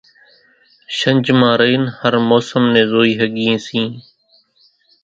شنجھ مان رئينَ هر موسم نين زوئِي ۿڳيئين سيئين۔